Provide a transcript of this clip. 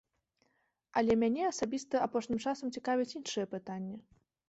Але мяне асабіста апошнім часам цікавяць іншыя пытанні.